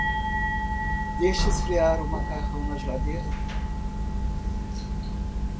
Deixe esfriar o macarrão na geladeira.